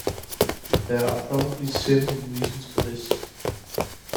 There are probably several reasons for this.